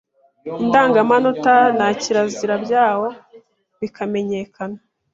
indangamanota na kirazira byawo bikamenyekana